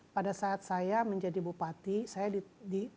pada saat saya menjadi bupati saya di